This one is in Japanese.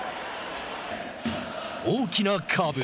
大きなカーブ。